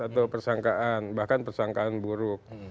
atau persangkaan bahkan persangkaan buruk